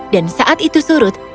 dan saat itu surut